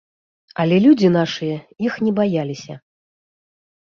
Але людзі нашыя іх не баяліся.